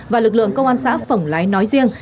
và lực lượng công an xã phổng lái nói riêng